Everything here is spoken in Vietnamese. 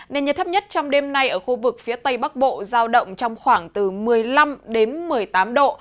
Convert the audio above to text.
nền nhiệt thấp nhất trong đêm nay ở khu vực phía tây bắc bộ giao động trong khoảng từ một mươi năm đến một mươi tám độ